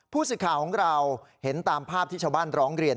ผู้สื่อข่าวของเราเห็นตามภาพที่ชาวบ้านร้องเรียน